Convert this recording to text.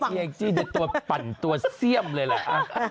ยังจิตตัวปั่นตัวเสี้ยมเลยแหละ